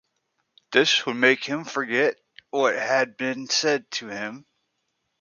This would make him forget what had been said to him.